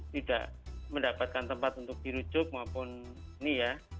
tidak mendapatkan tempat untuk dirujuk maupun ini ya